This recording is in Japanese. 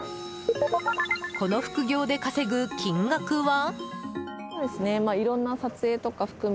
この副業で稼ぐ金額は？